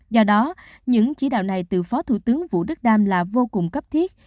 do đó những chỉ đạo này từ phó thủ tướng vũ đức đam là vô cùng cấp thiết